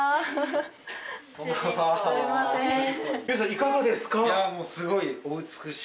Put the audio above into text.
いかがですか？